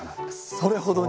それほどに！